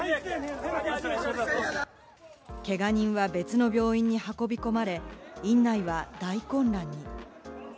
けが人は別の病院に運び込まれ院内は大混乱に。